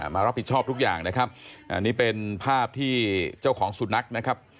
มารับผิดชอบทุกอย่างนะครับอันนี้เป็นภาพที่เจ้าของสุนัขนะครับ